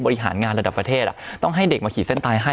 บริหารงานระดับประเทศต้องให้เด็กมาขีดเส้นตายให้